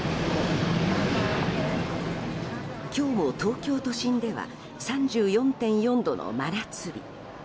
今日も東京都心では３４．４度の真夏日。